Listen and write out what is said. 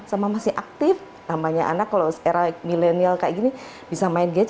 sama masih aktif namanya anak kalau era milenial kayak gini bisa main gadge